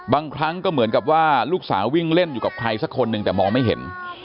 บางครั้งก็เหมือนกับว่าลูกสาววิ่งเล่นอยู่กับใครสักคนหนึ่งแต่มองไม่เห็น